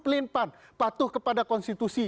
pelimpan patuh kepada konstitusi